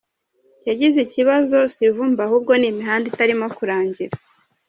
Yagize "Ikibazo si ivumbi ahubwo ni imihanda itarimo kurangira.